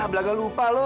ah belaga lupa lo